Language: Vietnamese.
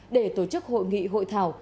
để tổ chức hội nghị hội thảo